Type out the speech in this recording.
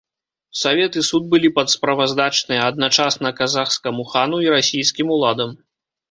Савет і суд былі падсправаздачныя адначасна казахскаму хану і расійскім уладам.